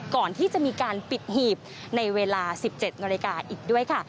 ก่อนที่จะมีการปิดหีบในเวลา๑๗นาฬิกาอีกด้วยค่ะ